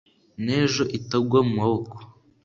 N’ejo itagwa mu maboko.